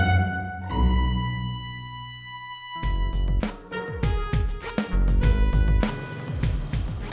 tidak ada apa apa